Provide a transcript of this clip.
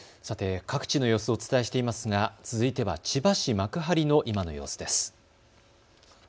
さて各地の様子をお伝えしていますが続いては千葉市幕張の今の様子です。